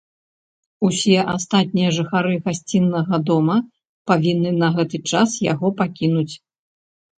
Усе астатнія жыхары гасціннага дома павінны на гэты час яго пакінуць.